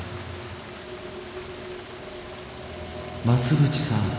「増渕さん」